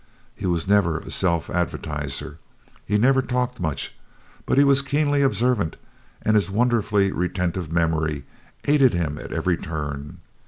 He was never a self advertiser. He never talked much. But he was keenly observant, and his wonderfully retentive memory aided him at every turn.